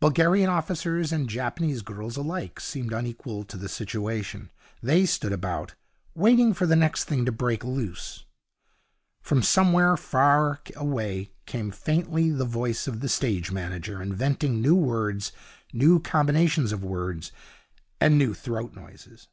Bulgarian officers and Japanese girls alike seemed unequal to the situation. They stood about, waiting for the next thing to break loose. From somewhere far away came faintly the voice of the stage manager inventing new words, new combinations of words, and new throat noises.